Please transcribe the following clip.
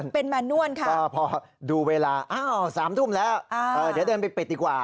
เป็นแมนวลค่ะก็พอดูเวลาอ้าว๓ทุ่มแล้วเดี๋ยวเดินไปปิดดีกว่า